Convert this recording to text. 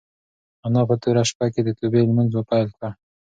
انا په توره شپه کې د توبې لمونځ پیل کړ.